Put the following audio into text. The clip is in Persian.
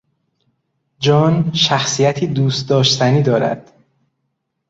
جان شخصیتی دوست داشتنی دارد.